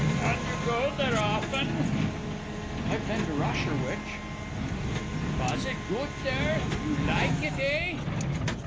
"And you go there, often?" "I've been to Rosherwich." "Was it goot there you laike it, eh?"